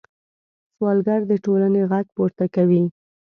سوالګر د ټولنې غږ پورته کوي